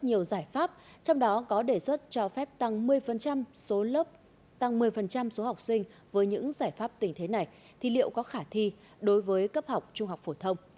nhiều giải pháp trong đó có đề xuất cho phép tăng một mươi số học sinh với những giải pháp tình thế này thì liệu có khả thi đối với cấp học trung học phổ thông